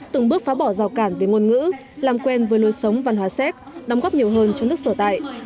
từng bước phá bỏ rào cản về ngôn ngữ làm quen với lối sống văn hóa séc đóng góp nhiều hơn cho nước sở tại